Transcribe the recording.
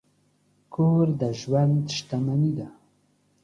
کور د ژوند شتمني ده.